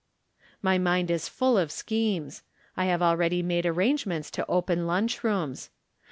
My mind is full of schemes. I have already made arrangements to open lunch rooms.